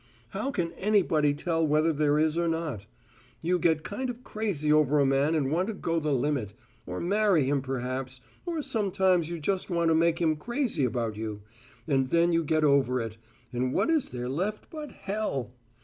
How can anybody tell whether there is or not? You get kind of crazy over a man and want to go the limit or marry him perhaps or sometimes you just want to make him crazy about you and then you get over it and what is there left but hell!"